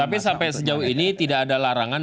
tapi sampai sejauh ini tidak ada larangan